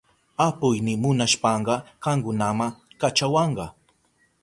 Apuyni munashpanka kankunama kachawanka.